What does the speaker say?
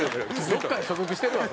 どこかに所属してるわ。